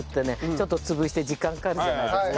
ちょっと潰して時間かかるじゃないですか。